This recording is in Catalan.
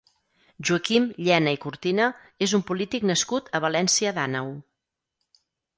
Joaquim Llena i Cortina és un polític nascut a València d'Àneu.